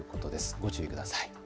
ご注意ください。